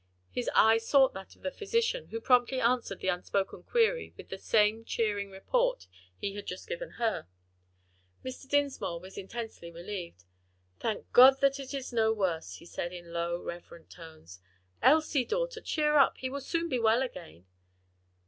His eye sought that of the physician, who promptly answered the unspoken query with the same cheering report he had just given her. Mr. Dinsmore was intensely relieved. "Thank God that it is no worse!" he said in low, reverent tones. "Elsie, daughter, cheer up, he will soon be well again."